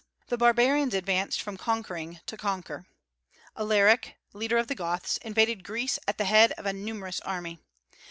The barbarians advanced from conquering to conquer. Alaric, leader of the Goths, invaded Greece at the head of a numerous army.